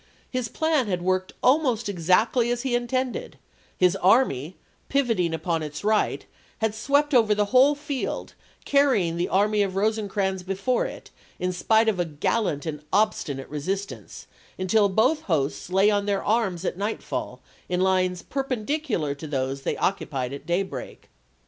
His plan had worked almost exactly as he had intended ; his army, pivoting upon its right, had swept over the whole field, carrying the army of Rosecrans before it, in spite of a gallant and obstinate resistance, until both hosts lay on their arms at nightfall, in lines perpendicular to those they occupied at daybreak.